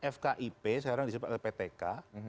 fkip sekarang disebut ptk